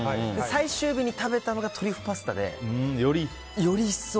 最終日に食べたのがトリュフパスタでより一層。